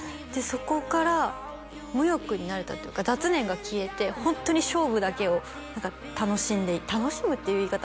そこから無欲になれたというか雑念が消えてホントに勝負だけを楽しんで楽しむっていう言い方